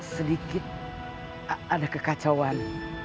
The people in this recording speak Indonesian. sedikit ada kekacauan